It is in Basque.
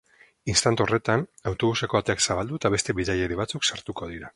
Instant horretan, autobuseko ateak zabaldu eta beste bidaiari batzuk sartuko dira.